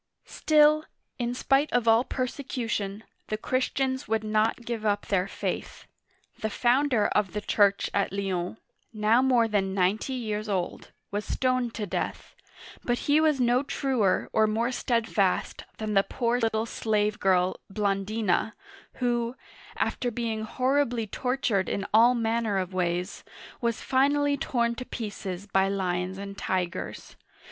Still, in spite of all persecution, the Christians would not give up their faith. The founder of the church at Lyons, now more than ninety years old, was stoned to death ; but he was no truer or more steadfast than the poor little slave girl Blandi'na, who, after being horribly tortured in all man ner of ways, was finally torn to pieces by lions and tigers.